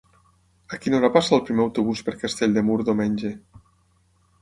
A quina hora passa el primer autobús per Castell de Mur diumenge?